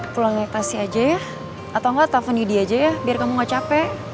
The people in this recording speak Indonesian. pulangnya kasih aja ya atau ngga telepon yudi aja ya biar kamu gak capek